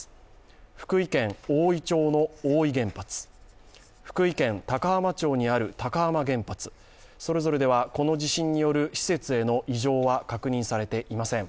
福井県大飯町の大飯原発、福井県高浜町にある高浜原発、それぞれではこの地震による施設への異常は確認されていません。